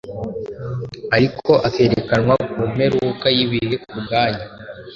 ariko akerekanwa ku mperuka y’ibihe ku bwanyu